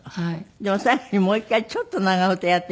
では最後にもう１回ちょっと長唄やっていただいて。